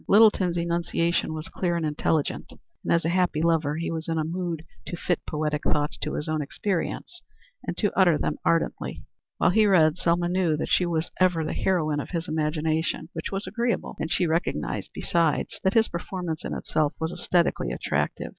Littleton's enunciation was clear and intelligent, and as a happy lover he was in a mood to fit poetic thoughts to his own experience, and to utter them ardently. While he read, Selma knew that she was ever the heroine of his imagination, which was agreeable, and she recognized besides that his performance in itself was æsthetically attractive.